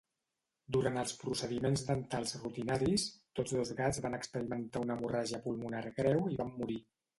Durant els procediments dentals rutinaris, tots dos gats van experimentar una hemorràgia pulmonar greu i van morir.